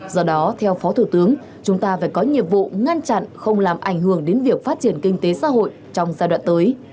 do đó theo phó thủ tướng chúng ta phải có nhiệm vụ ngăn chặn không làm ảnh hưởng đến việc phát triển kinh tế xã hội trong giai đoạn tới